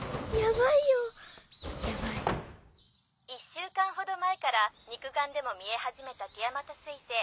１週間ほど前から肉眼でも見え始めたティアマト彗星。